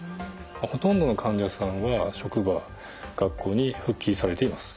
ほとんどの患者さんは職場学校に復帰されています。